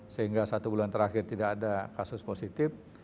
sehingga satu bulan terakhir tidak ada kasus positif